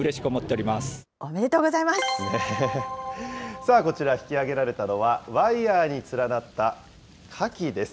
さあ、こちら、引き揚げられたのはワイヤーに連なったかきです。